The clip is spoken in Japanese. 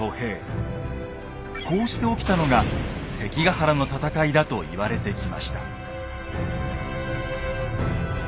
こうして起きたのが関ヶ原の戦いだと言われてきました。